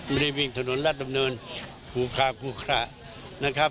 ไม่ได้วิ่งถนนรัฐดำเนินหูคาหูขระนะครับ